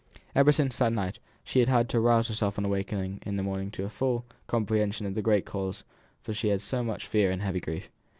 Ever since that night, she had had to rouse herself on awakening in the morning into a full comprehension of the great cause she had for much fear and heavy grief.